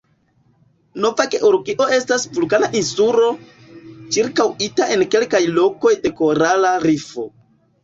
Nova Georgio estas vulkana insulo, ĉirkaŭita en kelkaj lokoj de korala rifo.